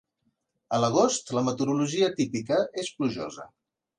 A l'agost, la meteorologia típica és plujosa.